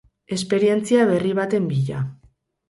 Esperientzia berri baten bila.